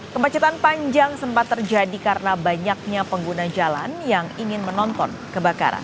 kemacetan panjang sempat terjadi karena banyaknya pengguna jalan yang ingin menonton kebakaran